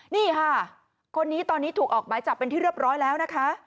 นี่ค่ะคนนี้ตอนนี้ถูกออกหมายจับเป็นที่เรียบร้อยแล้วนะคะ